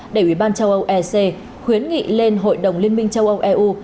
để ủy ban châu âu ec khuyến nghị lên hội đồng liên minh châu âu eu